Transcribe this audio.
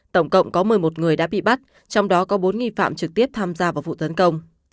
tổng cộng có một mươi một người đã bị bắt trong đó có bốn nghi phạm trực tiếp tham gia vào vụ tấn công